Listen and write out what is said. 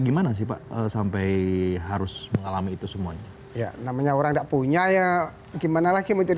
gimana sih pak sampai harus mengalami itu semuanya ya namanya orang enggak punya ya gimana lagi mungkin